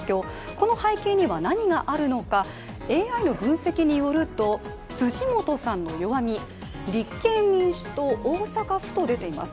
この背景には何があるのか、ＡＩの分析によると、辻元さんの弱み、立憲民主党大阪府と出ています。